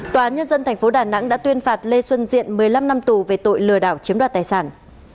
tòa nhân dân tp đà nẵng đã tuyên phạt lê xuân diện một mươi năm năm tù về tội lừa đảo chiếm đoạt tài sản